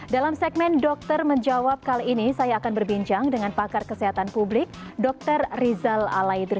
dalam segmen dokter menjawab kali ini saya akan berbincang dengan pakar kesehatan publik dr rizal alaidrus